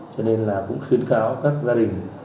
cho nên là cũng khuyến kháo các gia đình